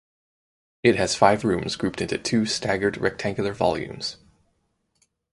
It has five rooms grouped into two staggered rectangular volumes.